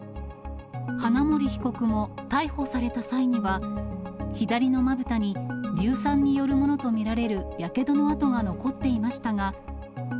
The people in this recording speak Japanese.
花森被告も逮捕された際には、左のまぶたに硫酸によるものと見られるやけどの痕が残っていましたが。